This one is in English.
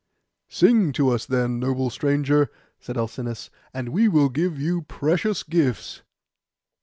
'Sing to us, then, noble stranger,' said Alcinous; 'and we will give you precious gifts.